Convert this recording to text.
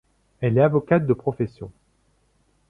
Elle est avocate de profession.